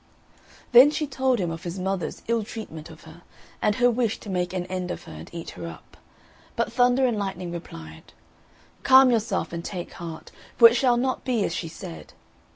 Then she told him of his mother's ill treatment of her, and her wish to make an end of her, and eat her up. But Thunder and Lightning replied, "Calm yourself and take heart, for it shall not be as she said."